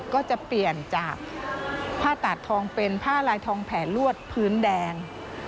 ก็จะเปลี่ยนจากผ้าตาดทองเป็นผ้าลายทองแผลลวดพื้นแดง